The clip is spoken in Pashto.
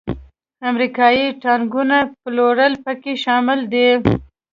امریکایي ټانکونو پلورل پکې شامل دي.